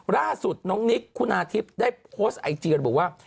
ล่าสุดน้องนิกคุณอาทิบได้โพสต์ไอจีบอกว่า